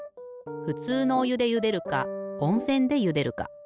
ふつうのおゆでゆでるかおんせんでゆでるか。